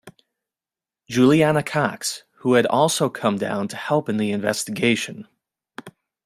Julianna Cox, who had also come down to help in the investigation.